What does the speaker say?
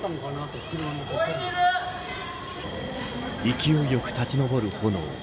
勢い良く立ち上る炎。